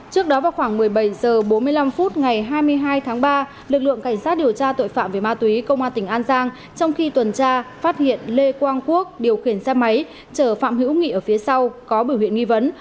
trước đó vào khoảng một mươi bảy h bốn mươi năm phút ngày hai mươi hai tháng ba lực lượng cảnh sát điều tra tội phạm về ma túy công an tỉnh an giang trong khi tuần tra phát hiện lê quang quốc điều khiển xe máy chở phạm hữu nghị ở phía sau có biểu hiện nghi vấn